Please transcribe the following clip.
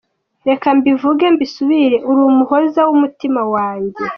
Reka mbivuge mbisubire, uri umuhoza w’umutima wanjye.